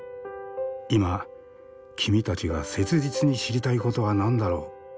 今君たちが切実に知りたいことは何だろう？